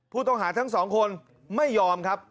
ผู้ต้องหาทั้งสองคนไม่ยอมครับ